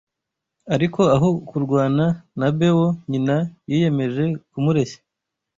Ariko aho kurwana na Bewo nyina yiyemeje kumureshya,